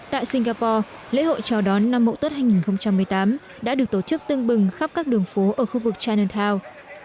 tại singapore lễ hội chào đón năm mộ tốt hai nghìn một mươi tám đã được tổ chức tương bừng khắp các đường phố ở khu vực chinatown